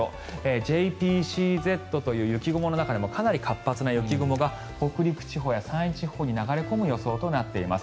ＪＰＣＺという雪雲の中でもかなり活発な雪雲が北陸地方や山陰地方に流れ込む予想となっています。